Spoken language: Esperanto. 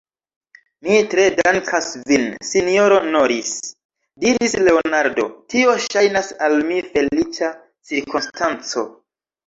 Mi tre dankas vin, sinjoro Norris, diris Leonardo; tio ŝajnas al mi feliĉa cirkonstanco.